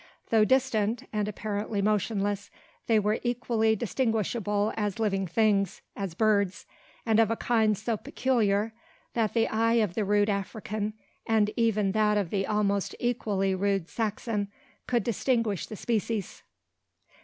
Though distant, and apparently motionless, they were easily distinguishable as living things, as birds, and of a kind so peculiar, that the eye of the rude African, and even that of the almost equally rude Saxon, could distinguish the species.